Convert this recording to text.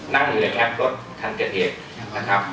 นั่งอยู่ในแคปรถคันเกิดเหตุนะครับ